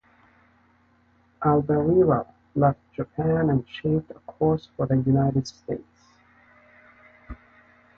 "Albireo" left Japan and shaped a course for the United States.